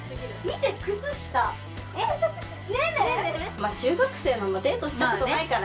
まあ中学生はデートした事ないからね。